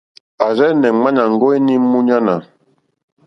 À rzɛ́nɛ̀ ŋmánà ŋɡó ǃéní múɲánà,.